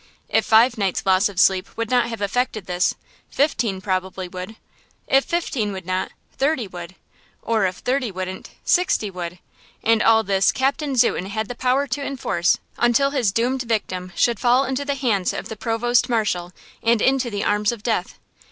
If five nights' loss of sleep would not have effected this, fifteen probably would; if fifteen would not, thirty would; or if thirty wouldn't sixty would!–and all this Captain Zuten had the power to enforce until his doomed victim should fall into the hands of the provost marshal, and into the arms of death!